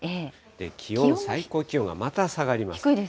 気温が最高気温がまた下がります。